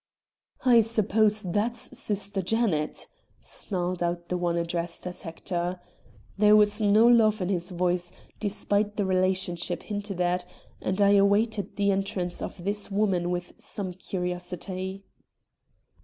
"I suppose that's sister Janet," snarled out the one addressed as Hector. There was no love in his voice, despite the relationship hinted at, and I awaited the entrance of this woman with some curiosity.